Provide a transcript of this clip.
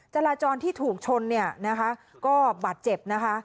จราจรที่ถูกชนเนี่ยนะคะก็บาดเจ็บนะคะ